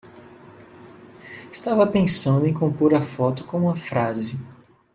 Estava pensando em compor a foto com uma frase